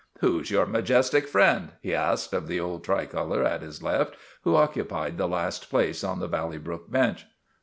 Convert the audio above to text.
Who 's your majestic friend? " he asked of the old tricolor at his left, who occupied the last place on the Valley Brook bench.